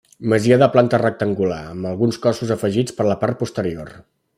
Masia de planta rectangular, amb alguns cossos afegits per la part posterior.